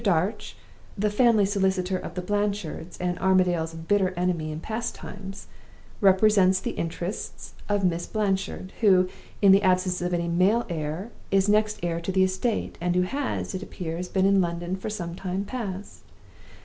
Darch (the family solicitor of the Blanchards, and Armadale's bitter enemy in past times) represents the interests of Miss Blanchard, who (in the absence of any male heir) is next heir to the estate, and who has, it appears, been in London for some time past.